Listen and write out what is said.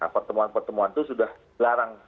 pertemuan pertemuan itu sudah dilarang